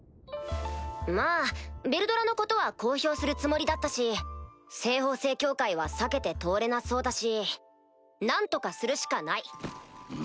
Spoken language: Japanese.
まぁヴェルドラのことは公表するつもりだったし西方聖教会は避けて通れなそうだし何とかするしかない。